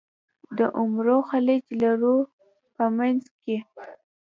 د عمرو خلیج لرو په منځ کې.